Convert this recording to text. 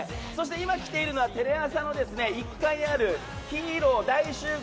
今、来ているのはテレ朝の１階にあるヒーロー大集合！